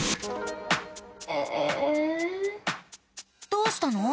どうしたの？